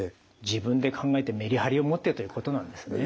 自分で考えてメリハリを持ってということなんですね。